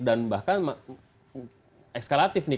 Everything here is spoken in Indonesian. dan bahkan ekskalatif nih